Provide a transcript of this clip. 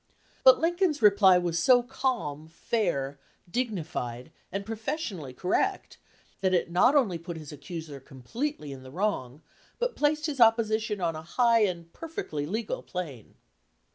But Lincoln's reply was so calm, fair, dignified, and professionally correct that it not only put his accuser completely in the wrong, but placed his opposition on a high and perfectly legal plane.